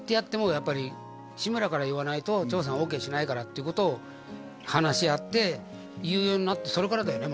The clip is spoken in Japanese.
「やっぱり志村から言わないと長さんオーケーしないから」っていうことを話し合って言うようになってそれからだよね